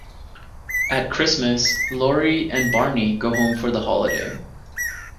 At Christmas, Laurie and Barney go home for the holiday.